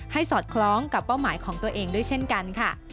สอดคล้องกับเป้าหมายของตัวเองด้วยเช่นกันค่ะ